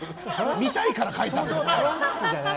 見たいから書いたのか。